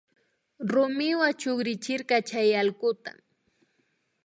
Rumiwa chukrichirka chay allkuta